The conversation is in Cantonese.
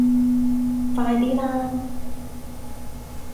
快啲啦